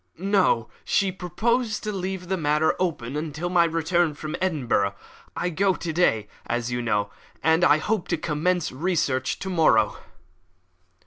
"No; she proposed to leave the matter open until my return from Edinburgh. I go to day, as you know, and I hope to commence my research to morrow."